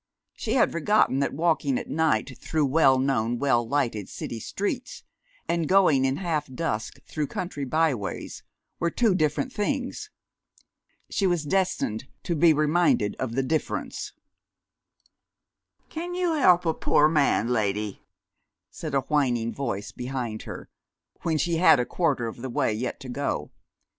She had forgotten that walking at night through well known, well lighted city streets, and going in half dusk through country byways, were two different things. She was destined to be reminded of the difference. "Can you help a poor man, lady?" said a whining voice behind her, when she had a quarter of the way yet to go.